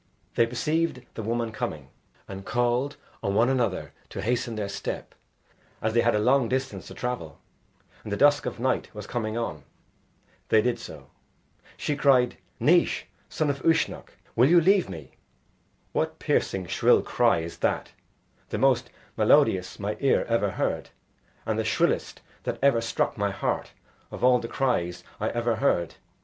They perceived the woman coming, and called on one another to hasten their step as they had a long distance to travel, and the dusk of night was coming on. They did so. She cried: "Naois, son of Uisnech, will you leave me?" "What piercing, shrill cry is that the most melodious my ear ever heard, and the shrillest that ever struck my heart of all the cries I ever heard?"